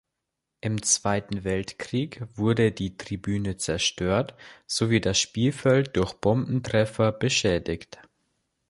Im Zweiten Weltkrieg wurde die Tribüne zerstört, sowie das Spielfeld durch Bombentreffer beschädigt.